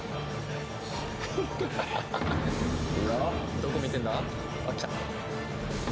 ・どこ見てんだ？